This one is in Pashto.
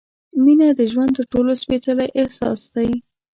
مینه د ژوند تر ټولو سپېڅلی احساس دی.